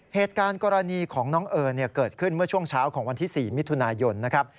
เหตุการณ์กรณีของน้องเอิญเกิดขึ้นเมื่อช่วงเช้าของวันที่๔มิถุนายนนะครับ